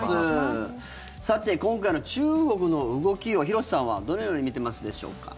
さて、今回の中国の動きを廣瀬さんはどのように見てますでしょうか。